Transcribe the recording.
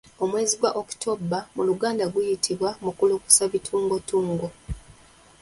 Omwezi gwa October mu luganda guyitibwa Mukulukusa bitungotungo